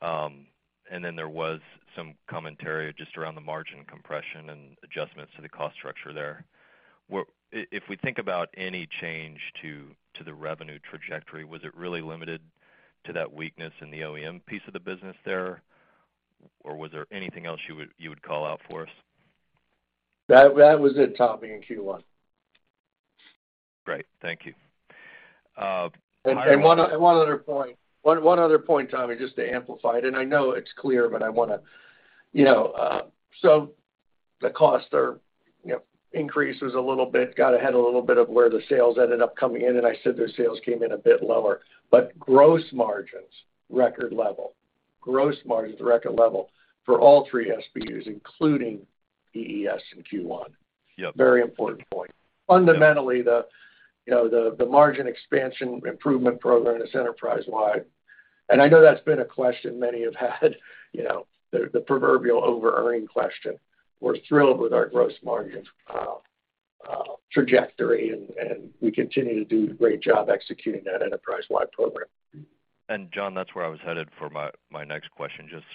and then there was some commentary just around the margin compression and adjustments to the cost structure there. If we think about any change to the revenue trajectory, was it really limited to that weakness in the OEM piece of the business there, or was there anything else you would call out for us? That was it, Tommy, in Q1. Great. Thank you. One other point. One other point, Tommy, just to amplify it, and I know it's clear, but I wanna. The costs are increases a little bit, got ahead a little bit of where the sales ended up coming in, and I said those sales came in a bit lower. Gross margins, record level. Gross margins, record level for all three SBUs, including EES in Q1. Yep. Very important point. Fundamentally, you know, the margin expansion improvement program is enterprise-wide. I know that's been a question many have had, you know, the proverbial over-earning question. We're thrilled with our gross margin trajectory and we continue to do a great job executing that enterprise-wide program. John, that's where I was headed for my next question, just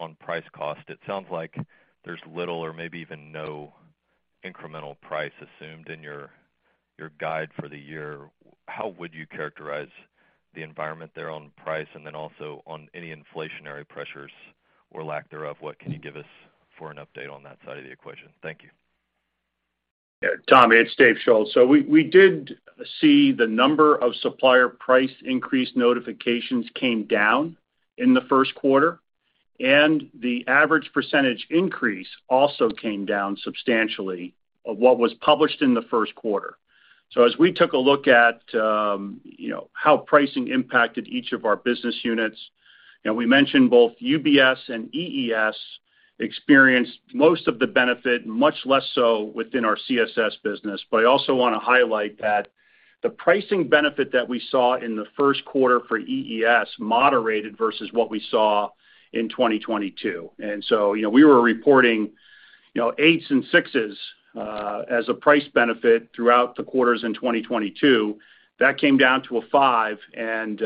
on price cost. It sounds like there's little or maybe even no incremental price assumed in your guide for the year. How would you characterize the environment there on price? Also on any inflationary pressures or lack thereof, what can you give us for an update on that side of the equation? Thank you. Yeah. Tommy, it's Dave Schulz. We did see the number of supplier price increase notifications came down in the 1st quarter, and the average percentage increase also came down substantially of what was published in the 1st quarter. As we took a look at, you know, how pricing impacted each of our business units, you know, we mentioned both UBS and EES experienced most of the benefit, much less so within our CSS business. I also wanna highlight that the pricing benefit that we saw in the 1st quarter for EES moderated versus what we saw in 2022. You know, we were reporting, you know, 8s and 6s as a price benefit throughout the quarters in 2022. That came down to a five and,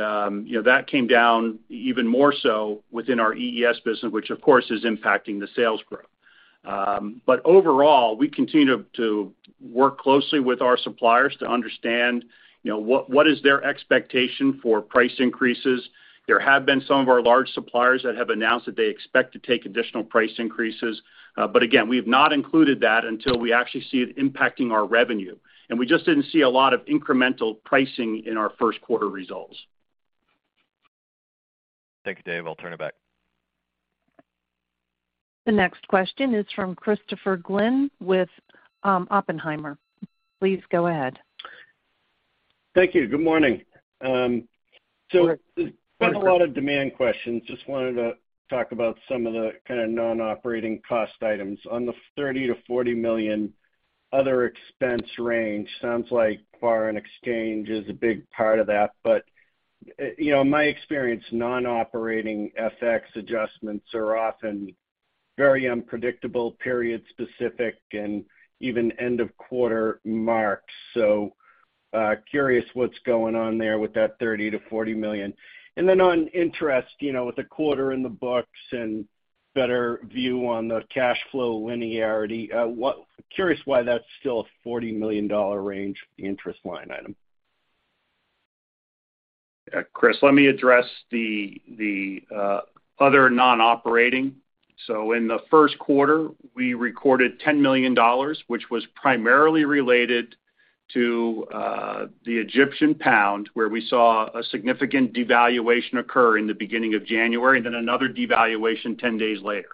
you know, that came down even more so within our EES business, which of course is impacting the sales growth. Overall, we continue to work closely with our suppliers to understand, you know, what is their expectation for price increases. There have been some of our large suppliers that have announced that they expect to take additional price increases, but again, we have not included that until we actually see it impacting our revenue. We just didn't see a lot of incremental pricing in our first quarter results. Thank you, Dave. I'll turn it back. The next question is from Christopher Glynn with Oppenheimer. Please go ahead. Thank you. Good morning. There's been a lot of demand questions. Just wanted to talk about some of the kinda non-operating cost items. On the $30 million-$40 million other expense range, sounds like foreign exchange is a big part of that. You know, in my experience, non-operating FX adjustments are often very unpredictable, period-specific, and even end of quarter marked. Curious what's going on there with that $30 million-$40 million. On interest, you know, with the quarter in the books and better view on the cash flow linearity, curious why that's still a $40 million range interest line item. Chris, let me address the other non-operating. In the first quarter, we recorded $10 million, which was primarily related to the Egyptian pound, where we saw a significant devaluation occur in the beginning of January, and then another devaluation 10 days later.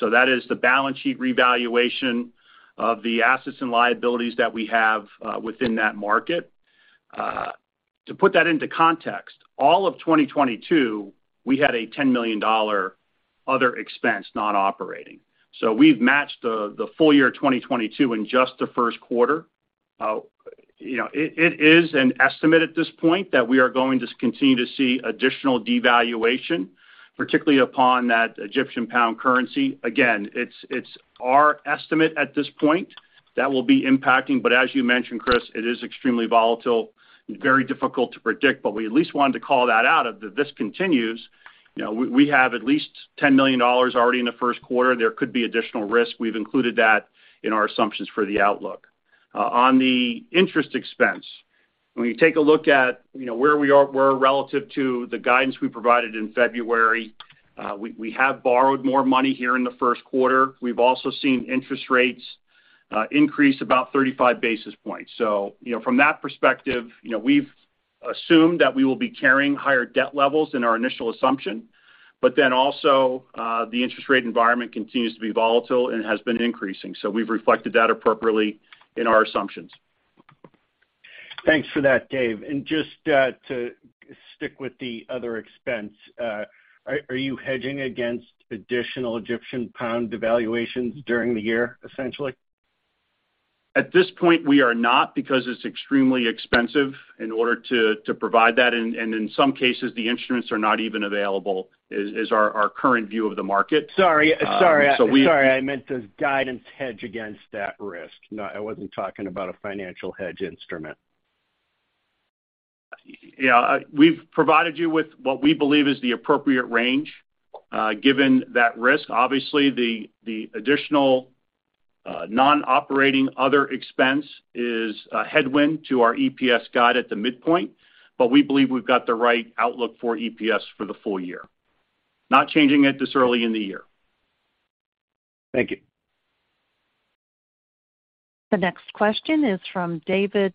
That is the balance sheet revaluation of the assets and liabilities that we have within that market. To put that into context, all of 2022, we had a $10 million other expense not operating. We've matched the full year 2022 in just the first quarter. You know, it is an estimate at this point that we are going to continue to see additional devaluation, particularly upon that Egyptian pound currency. Again, it's our estimate at this point that will be impacting. As you mentioned, Chris, it is extremely volatile and very difficult to predict. We at least wanted to call that out, if this continues, you know, we have at least $10 million already in the first quarter. There could be additional risk. We've included that in our assumptions for the outlook. On the interest expense, when you take a look at, you know, where we were relative to the guidance we provided in February, we have borrowed more money here in the first quarter. We've also seen interest rates increase about 35 basis points. You know, from that perspective, you know, we've assumed that we will be carrying higher debt levels in our initial assumption, also, the interest rate environment continues to be volatile and has been increasing. We've reflected that appropriately in our assumptions. Thanks for that, Dave. Just to stick with the other expense, are you hedging against additional Egyptian pound devaluations during the year, essentially? At this point, we are not because it's extremely expensive in order to provide that, and in some cases the instruments are not even available, is our current view of the market. Sorry, sorry. So we- Sorry, I meant does guidance hedge against that risk? No, I wasn't talking about a financial hedge instrument. Yeah. We've provided you with what we believe is the appropriate range, given that risk. The additional non-operating other expense is a headwind to our EPS guide at the midpoint. We believe we've got the right outlook for EPS for the full year. Not changing it this early in the year. Thank you. The next question is from David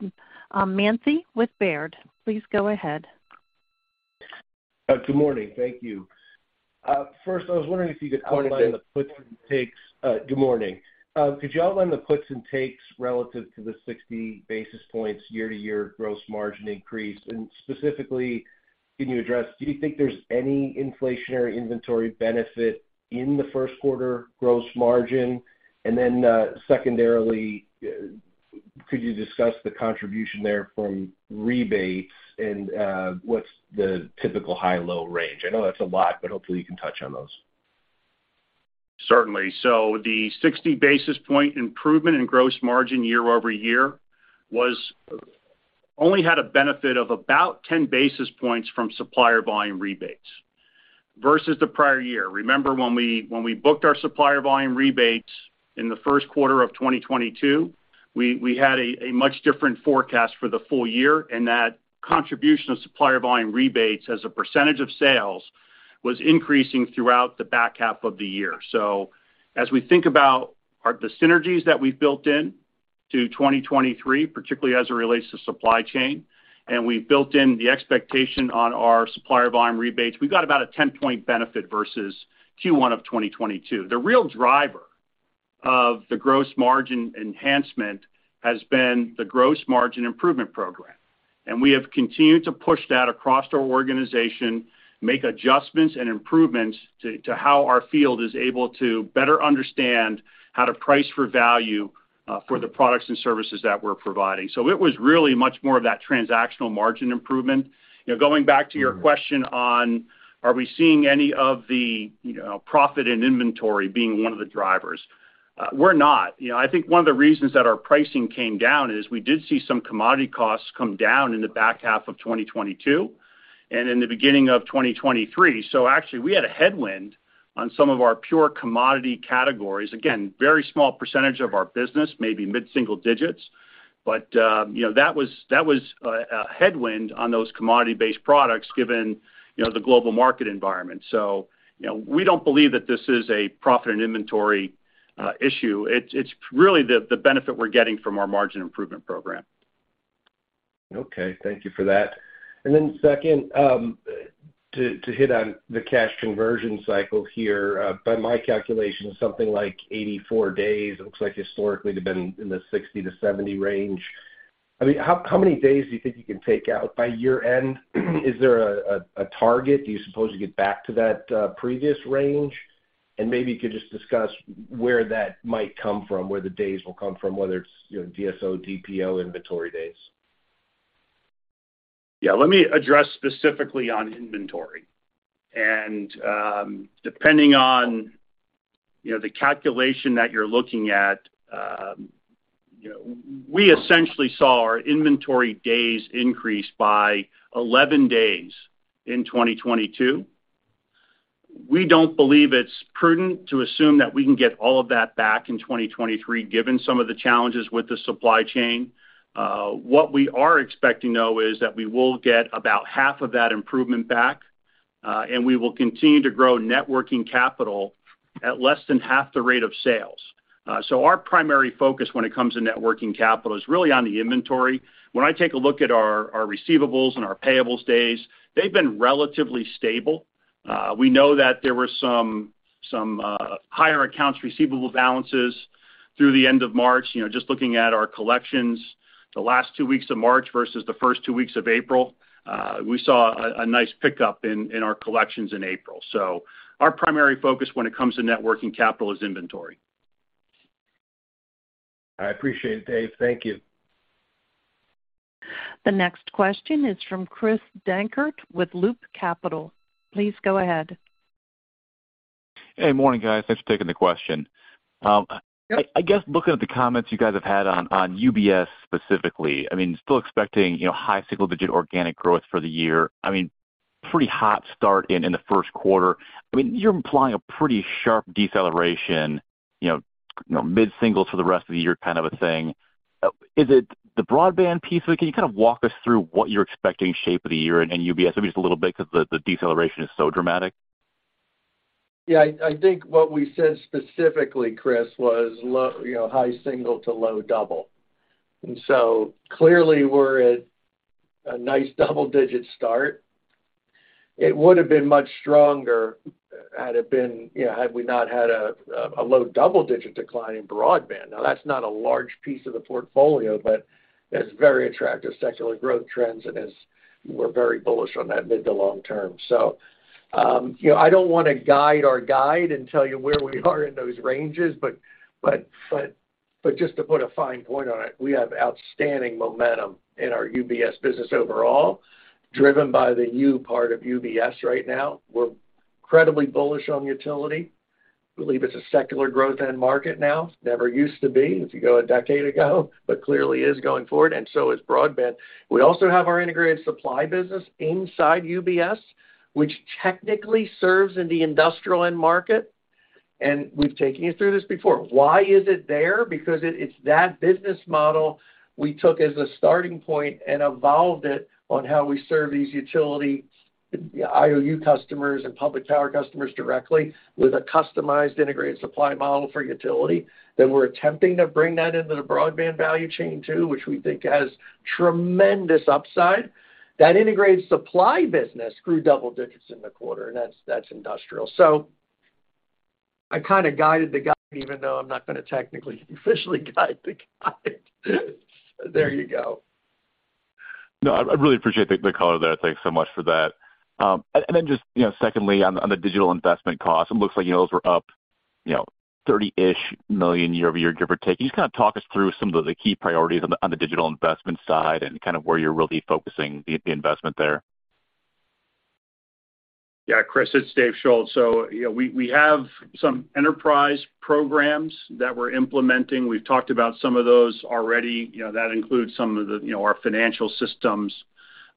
Manthey with Baird. Please go ahead. Good morning. Thank you. First I was wondering if you could outline the puts and takes-. Good morning. Good morning. Could you outline the puts and takes relative to the 60 basis points year-over-year gross margin increase? Specifically, can you address, do you think there's any inflationary inventory benefit in the first quarter gross margin? Secondarily, could you discuss the contribution there from rebates and, what's the typical high-low range? I know that's a lot, but hopefully you can touch on those. Certainly. The 60 basis point improvement in gross margin year-over-year was, only had a benefit of about 10 basis points from supplier volume rebates versus the prior year. Remember when we, when we booked our supplier volume rebates in the first quarter of 2022, we had a much different forecast for the full year, and that contribution of supplier volume rebates as a percentage of sales was increasing throughout the back half of the year. As we think about our, the synergies that we've built in to 2023, particularly as it relates to supply chain, and we've built in the expectation on our supplier volume rebates, we've got about a 10-point benefit versus Q1 of 2022. The real driver of the gross margin enhancement has been the gross margin improvement program. We have continued to push that across our organization, make adjustments and improvements to how our field is able to better understand how to price for value for the products and services that we're providing. It was really much more of that transactional margin improvement. You know, going back to your question on are we seeing any of the, you know, profit and inventory being one of the drivers? We're not. You know, I think one of the reasons that our pricing came down is we did see some commodity costs come down in the back half of 2022 and in the beginning of 2023. Actually we had a headwind on some of our pure commodity categories. Again, very small % of our business, maybe mid-single digits. You know, that was a headwind on those commodity-based products given, you know, the global market environment. You know, we don't believe that this is a profit and inventory issue. It's really the benefit we're getting from our margin improvement program. Okay. Thank you for that. Second, to hit on the cash conversion cycle here, by my calculation, something like 84 days, it looks like historically they've been in the 60 to 70 range. I mean, how many days do you think you can take out by year-end? Is there a target? Do you suppose you get back to that previous range? Maybe you could just discuss where that might come from, where the days will come from, whether it's, you know, DSO, DPO, inventory days. Yeah. Let me address specifically on inventory. Depending on, you know, the calculation that you're looking at, you know, we essentially saw our inventory days increase by 11 days in 2022. We don't believe it's prudent to assume that we can get all of that back in 2023, given some of the challenges with the supply chain. What we are expecting, though, is that we will get about half of that improvement back, and we will continue to grow net working capital at less than half the rate of sales. Our primary focus when it comes to net working capital is really on the inventory. When I take a look at our receivables and our payables days, they've been relatively stable. We know that there were some higher accounts receivable balances through the end of March. You know, just looking at our collections the last two weeks of March versus the first two weeks of April, we saw a nice pickup in our collections in April. Our primary focus when it comes to net working capital is inventory. I appreciate it, Dave. Thank you. The next question is from Christopher Dankert with Loop Capital. Please go ahead. Hey, morning, guys. Thanks for taking the question. Yep. I guess looking at the comments you guys have had on UBS specifically, I mean, still expecting, you know, high single-digit organic growth for the year. I mean, pretty hot start in the first quarter. I mean, you're implying a pretty sharp deceleration, you know, mid-singles for the rest of the year kind of a thing. Is it the broadband piece? Can you kind of walk us through what you're expecting shape of the year in UBS maybe just a little bit because the deceleration is so dramatic? Yeah. I think what we said specifically, Chris, was you know, high single to low double. Clearly we're at a nice double-digit start. It would have been much stronger had it been, you know, had we not had a low double-digit decline in broadband. Now that's not a large piece of the portfolio, but it's very attractive secular growth trends and as we're very bullish on that mid to long term. You know, I don't wanna guide our guide and tell you where we are in those ranges, but just to put a fine point on it, we have outstanding momentum in our UBS business overall, driven by the U part of UBS right now. We're incredibly bullish on utility. Believe it's a secular growth end market now. Never used to be if you go a decade ago. Clearly is going forward. So is broadband. We also have our integrated supply business inside UBS, which technically serves in the industrial end market. We've taken you through this before. Why is it there? Because it's that business model we took as a starting point and evolved it on how we serve these utility IOU customers and public tower customers directly with a customized integrated supply model for utility. We're attempting to bring that into the broadband value chain too, which we think has tremendous upside. That integrated supply business grew double digits in the quarter. That's industrial. I kinda guided the guide even though I'm not gonna technically officially guide the guide. There you go. No, I really appreciate the color there. Thanks so much for that. Just, you know, secondly, on the digital investment cost, it looks like, you know, those were up, you know, $30-ish million year-over-year, give or take. Can you just kinda talk us through some of the key priorities on the, on the digital investment side and kind of where you're really focusing the investment there? Yeah, Chris, it's Dave Schulz. You know, we have some enterprise programs that we're implementing. We've talked about some of those already. You know, that includes some of the, you know, our financial systems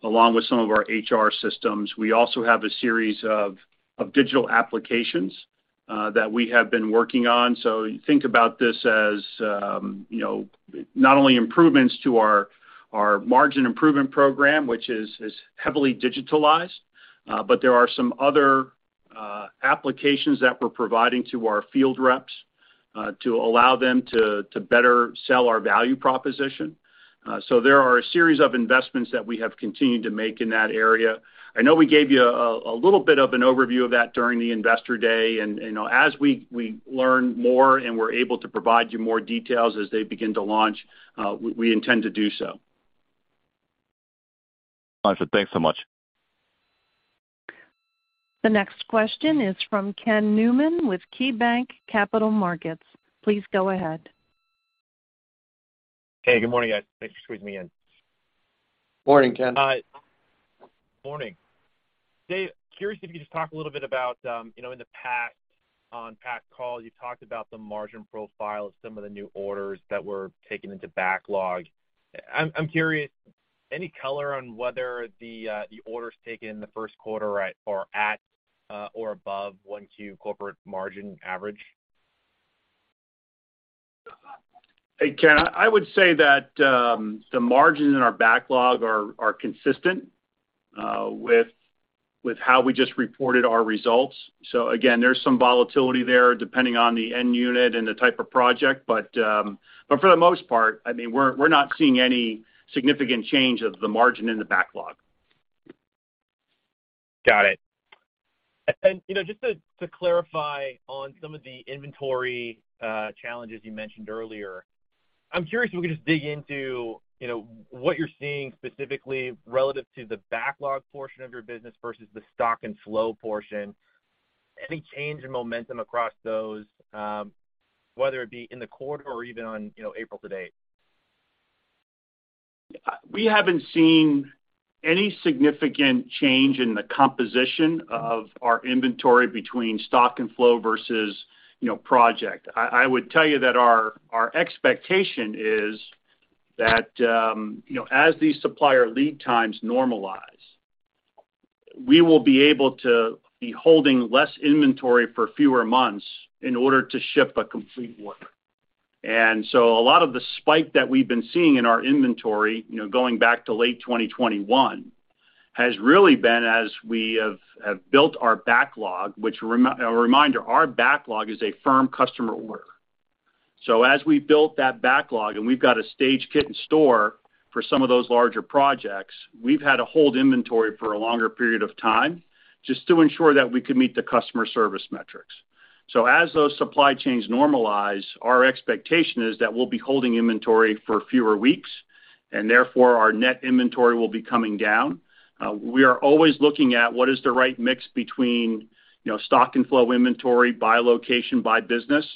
along with some of our HR systems. We also have a series of digital applications that we have been working on. Think about this as, you know, not only improvements to our margin improvement program, which is heavily digitalized, but there are some other applications that we're providing to our field reps to allow them to better sell our value proposition. There are a series of investments that we have continued to make in that area. I know we gave you a little bit of an overview of that during the Investor Day.you know, as we learn more and we're able to provide you more details as they begin to launch, we intend to do so. Arshad, thanks so much. The next question is from Kenneth Newman with KeyBanc Capital Markets. Please go ahead. Hey, good morning, guys. Thanks for squeezing me in. Morning, Ken. Hi. Morning. Dave, curious if you could just talk a little bit about, you know, in the past on past calls, you talked about the margin profile of some of the new orders that were taken into backlog. I'm curious, any color on whether the orders taken in the first quarter are at or above 1Q corporate margin average? Hey, Ken. I would say that the margins in our backlog are consistent with how we just reported our results. Again, there's some volatility there, depending on the end unit and the type of project. For the most part, I mean, we're not seeing any significant change of the margin in the backlog. Got it. You know, just to clarify on some of the inventory challenges you mentioned earlier, I'm curious if we could just dig into, you know, what you're seeing specifically relative to the backlog portion of your business versus the stock and flow portion. Any change in momentum across those, whether it be in the quarter or even on, you know, April today? We haven't seen any significant change in the composition of our inventory between stock and flow versus, you know, project. I would tell you that our expectation is that, you know, as these supplier lead times normalize, we will be able to be holding less inventory for fewer months in order to ship a complete order. A lot of the spike that we've been seeing in our inventory, you know, going back to late 2021, has really been as we have built our backlog, which a reminder, our backlog is a firm customer order. As we built that backlog, and we've got a stage kit in store for some of those larger projects, we've had to hold inventory for a longer period of time just to ensure that we could meet the customer service metrics. As those supply chains normalize, our expectation is that we'll be holding inventory for fewer weeks, and therefore our net inventory will be coming down. We are always looking at what is the right mix between, you know, stock and flow inventory by location, by business,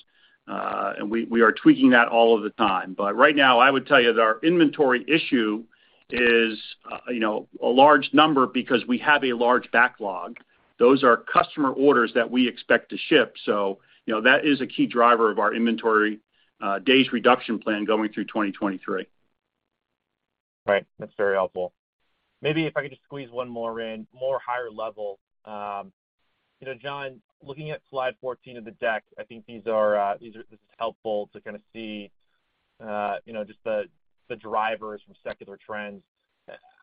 and we are tweaking that all of the time. Right now, I would tell you that our inventory issue is, you know, a large number because we have a large backlog. Those are customer orders that we expect to ship. You know, that is a key driver of our inventory days reduction plan going through 2023. Right. That's very helpful. Maybe if I could just squeeze one more in, more higher level. You know, John, looking at slide 14 of the deck, I think this is helpful to kinda see, you know, just the drivers from secular trends.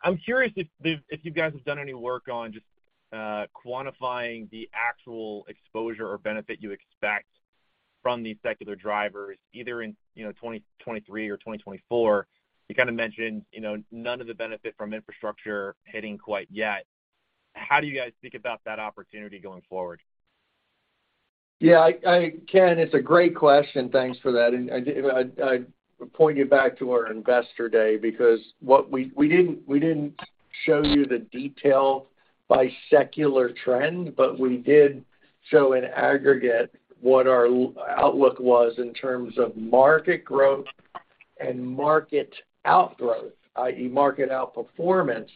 I'm curious if, Dave, if you guys have done any work on just quantifying the actual exposure or benefit you expect from these secular drivers either in, you know, 2023 or 2024. You kinda mentioned, you know, none of the benefit from infrastructure hitting quite yet. How do you guys think about that opportunity going forward? Ken, it's a great question. Thanks for that. I'd point you back to our investor day because what we didn't show you the detail by secular trend, but we did show in aggregate what our outlook was in terms of market growth and market outgrowth, i.e., market outperformance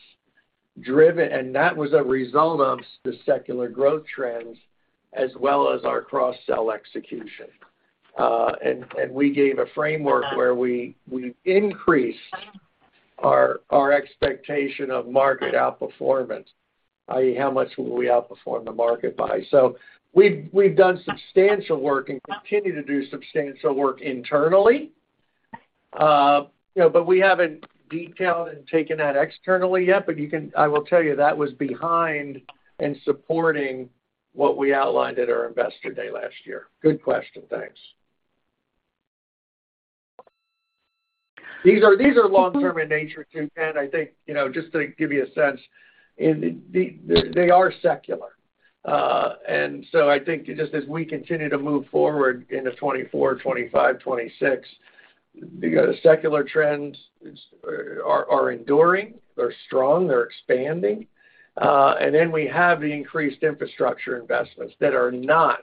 driven, and that was a result of the secular growth trends as well as our cross-sell execution. We gave a framework where we increased our expectation of market outperformance, i.e., how much will we outperform the market by? We've done substantial work and continue to do substantial work internally. you know, we haven't detailed and taken that externally yet. I will tell you that was behind and supporting what we outlined at our investor day last year. Good question. Thanks. These are long-term in nature, too, Ken. I think, you know, just to give you a sense, they are secular. I think just as we continue to move forward into 2024, 2025, 2026, the secular trends are enduring, they're strong, they're expanding. We have the increased infrastructure investments that are not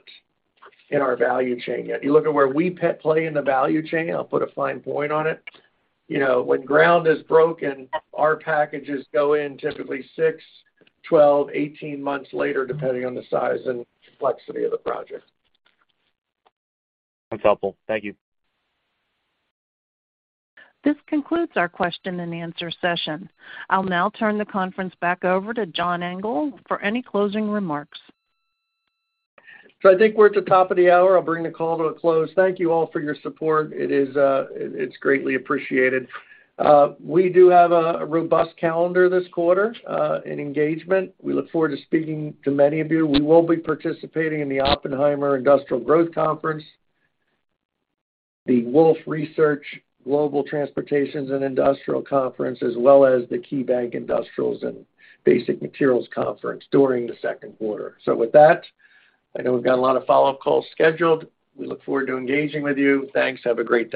in our value chain yet. You look at where we play in the value chain, I'll put a fine point on it. You know, when ground is broken, our packages go in typically, 12, 18 months later, depending on the size and complexity of the project. That's helpful. Thank you. This concludes our question and answer session. I'll now turn the conference back over to John Engel for any closing remarks. I think we're at the top of the hour. I'll bring the call to a close. Thank you all for your support. It is, it's greatly appreciated. We do have a robust calendar this quarter in engagement. We look forward to speaking to many of you. We will be participating in the Oppenheimer Industrial Growth Conference, the Wolfe Research Global Transportation & Industrials Conference, as well as the KeyBanc Industrials & Basic Materials Conference during the second quarter. With that, I know we've got a lot of follow-up calls scheduled. We look forward to engaging with you. Thanks. Have a great day.